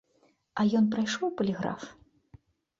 А ён прайшоў паліграф?